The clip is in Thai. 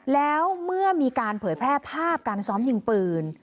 แล้วเมื่อมีการเผยแพร่ภาพการซ้อมยิงปืน